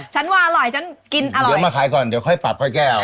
ฉันว่าอร่อยฉันกินอร่อยเดี๋ยวมาขายก่อนเดี๋ยวค่อยปรับค่อยแก้วเอา